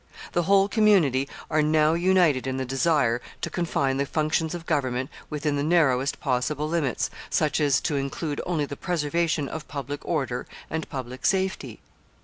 The whole community are now united in the desire to confine the functions of government within the narrowest possible limits, such as to include only the preservation of public order and public safety.